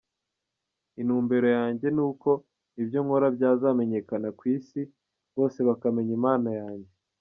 Intumbero yanjye ni uko ibyo nkora byazamenyekana ku Isi, bose bakamenya impano yanjye.